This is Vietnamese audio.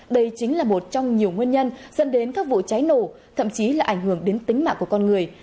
đây chính là một trong nhiều nguyên nhân dẫn đến các vụ cháy nổ thậm chí là ảnh hưởng đến tính mạng của con người